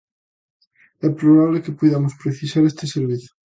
É probable que poidamos precisar este servizo.